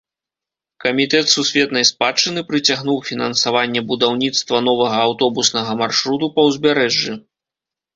Камітэт сусветнай спадчыны прыцягнуў фінансаванне будаўніцтва новага аўтобуснага маршруту па ўзбярэжжы.